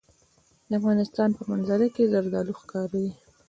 د افغانستان په منظره کې زردالو ښکاره ده.